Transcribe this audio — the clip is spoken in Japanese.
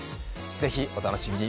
ぜひお楽しみに。